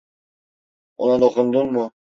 Ona dokundun mu?